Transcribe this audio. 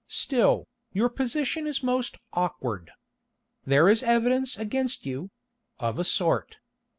Still, your position is most awkward. There is evidence against you—of a sort.